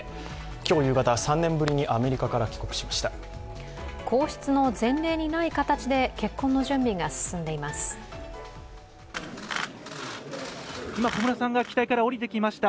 今日夕方、３年ぶりにアメリカから帰国しました。